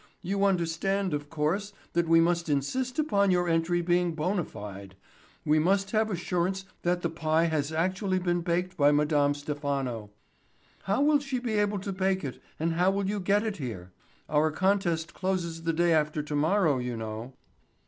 You understand, of course, that we must insist upon your entry being bona fide. We must have assurance that the pie has actually been baked by Madame Stephano. How will she be able to bake it and how will you get it here? Our contest closes the day after tomorrow, you know."